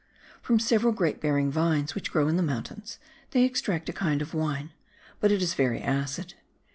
[From several grape bearing vines which grow in the mountains, they extract a kind of wine; but it is very acid.